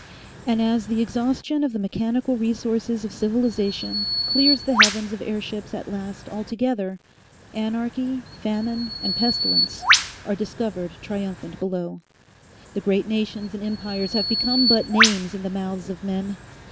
And as the exhaustion of the mechanical resources of civilisation clears the heavens of airships at last altogether, Anarchy, Famine and Pestilence are discovered triumphant below. The great nations and empires have become but names in the mouths of men.